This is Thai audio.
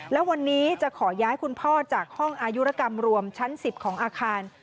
และวันนี้จะขอย้ายคุณพ่อจากห้องอายุรกรรมรวมชั้น๑๐ของอาคาร